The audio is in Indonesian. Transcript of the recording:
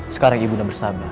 sekarang ibu undang bersabar